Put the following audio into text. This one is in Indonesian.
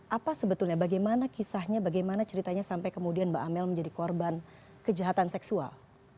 apa sebetulnya bagaimana kisahnya bagaimana ceritanya sampai kemudian mbak amel menjadi korban kejahatan seksual